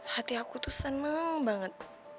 hati aku tuh seneng banget